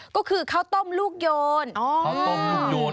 ก็คือข้าวต้มลูกโยน